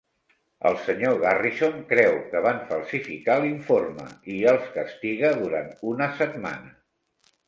El Sr. Garrison creu que van falsificar l'informe i els castiga durant una setmana.